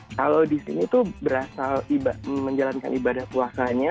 kalau di sini tuh berasal menjalankan ibadah puasanya